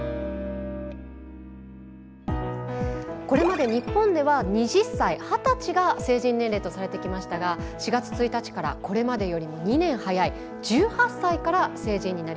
これまで日本では２０歳二十歳が成人年齢とされてきましたが４月１日からこれまでよりも２年早い１８歳から成人になります。